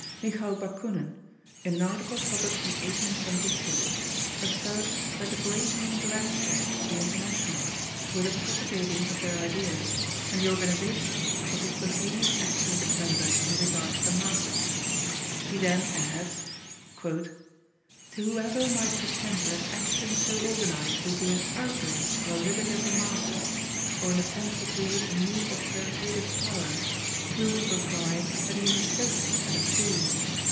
Michael Bakunin, in an article published in 1872, asserts that the great means of action of the International were the propagating of their ideas, and the organization of the spontaneous action of its members in regard to the masses. He then adds: "To whoever might pretend that action so organized would be an outrage on the liberty of the masses, or an attempt to create a new authoritative power, we would reply that he is a sophist and a fool.